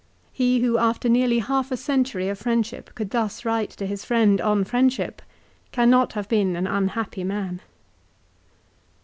He who after nearly half a century of friendship could thus write to his friend on friendship cannot have been an unhappy man.